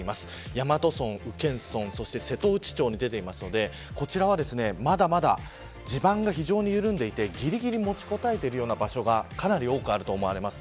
大和村、宇検村そして瀬戸内町に出ていますのでこちらは、まだまだ地盤が非常に緩んでいて、ぎりぎり持ちこたえているような場所がかなりあると思われます。